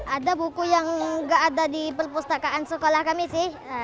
ada buku yang nggak ada di perpustakaan sekolah kami sih